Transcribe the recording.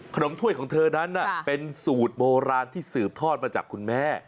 ถ้วยของเธอนั้นเป็นสูตรโบราณที่สืบทอดมาจากคุณแม่